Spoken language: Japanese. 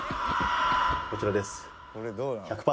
こちらです。